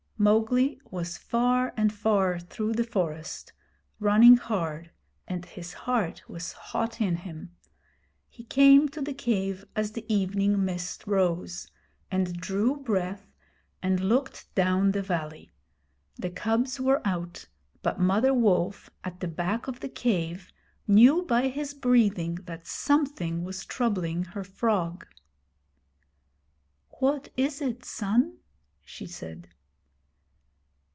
Mowgli was far and far through the forest, running hard, and his heart was hot in him. He came to the cave as the evening mist rose, and drew breath, and looked down the valley. The cubs were out, but Mother Wolf, at the back of the cave, knew by his breathing that something was troubling her frog. 'What is it, Son?' she said.